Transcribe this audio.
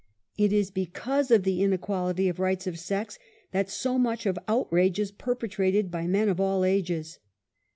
It is because of the inequality of rights of sex, that so much of outrage is perpetrated by men of all ages.